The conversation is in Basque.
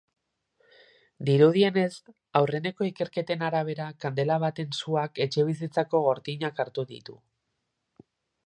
Dirudienez, aurreneko ikerketen arabera, kandela baten suak etxebizitzako gortinak hartu ditu.